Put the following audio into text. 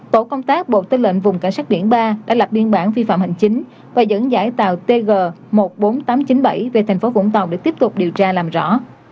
tổ công tác bộ tư lệnh vùng cảnh sát biển ba đã lập biên bản vi phạm hành chính và dẫn dãi tàu tg một mươi bốn nghìn tám trăm chín mươi bảy về thành phố vũng tàu để tiếp tục điều tra làm rõ